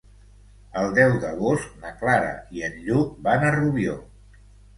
El deu d'agost na Clara i en Lluc van a Rubió.